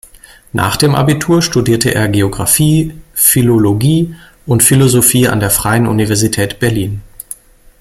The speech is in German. Nach dem Abitur studierte er Geografie, Philologie und Philosophie an der Freien Universität Berlin.